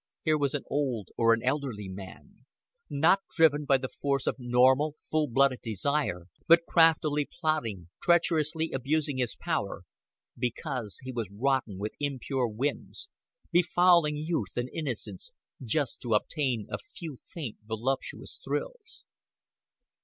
Here was an old, or an elderly man, not driven by the force of normal, full blooded desire, but craftily plotting, treacherously abusing his power, because he was rotten with impure whims befouling youth and innocence just to obtain a few faint voluptuous thrills.